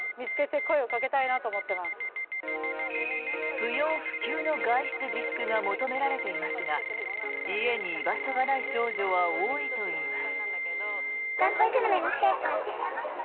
不要不急の外出自粛が求められていますが家に居場所がない少女は多いといいます。